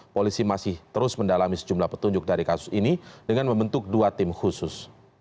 polisi masih terus mendalami sejumlah petunjuk dari kasus ini dengan membentuk dua tim khusus